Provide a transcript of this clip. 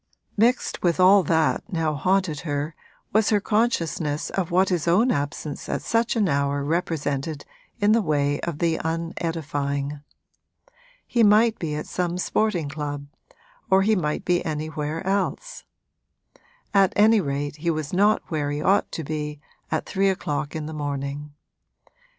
Mixed with all that now haunted her was her consciousness of what his own absence at such an hour represented in the way of the unedifying. He might be at some sporting club or he might be anywhere else; at any rate he was not where he ought to be at three o'clock in the morning.